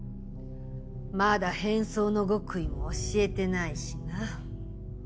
まだ変装の極意も教えてないしな。